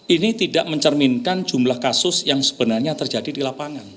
ini tidak mencerminkan jumlah kasus yang sebenarnya terjadi di lapangan